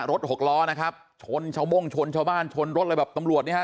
หกล้อนะครับชนชาวโม่งชนชาวบ้านชนรถเลยแบบตำรวจเนี่ยฮะ